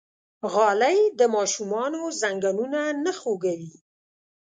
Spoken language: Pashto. غالۍ د ماشومانو زنګونونه نه خوږوي.